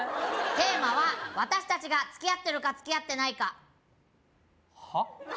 テーマは私達が付き合ってるか付き合ってないかはっ？